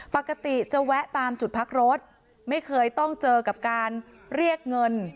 ปกติจะแวะตามจุดพักรถไม่เคยต้องเจอกับการเรียกเงิน